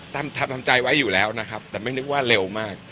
ทำทำใจไว้อยู่แล้วนะครับแต่ไม่นึกว่าเร็วมาก